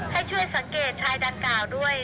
ให้ช่วยสังเกตชายดังกล่าวด้วย